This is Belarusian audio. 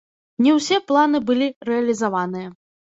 Не ўсе планы былі рэалізаваныя.